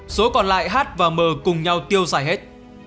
số còn lại h và m cùng nhau tiêu xài hết